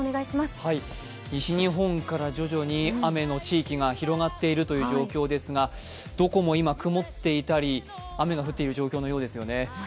西日本から徐々に雨の地域が広がっているという状況ですが、どこも今曇っていたり雨が降っている状況のようですね。